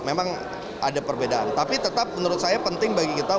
memang ada perbedaan tapi tetap menurut saya penting bagi kita